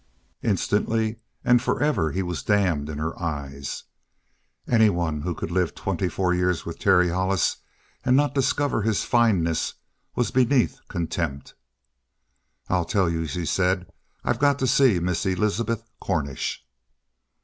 Instantly and forever he was damned in her eyes. Anyone who could live twenty four years with Terry Hollis and not discover his fineness was beneath contempt. "I'll tell you," she said. "I've got to see Miss Elizabeth Cornish."